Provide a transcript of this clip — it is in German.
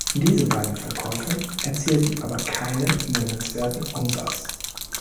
Diese beiden Verkäufe erzielten aber keinen nennenswerten Umsatz.